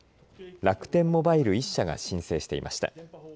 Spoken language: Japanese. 楽天モバイル１社が申請していました。